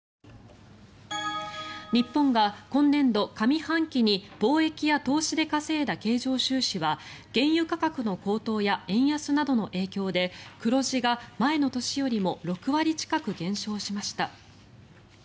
日本が今年度上半期に貿易や投資で稼いだ経常収支は原油価格の高騰や円安などの影響で黒字が前の年よりも６割近く減少しました。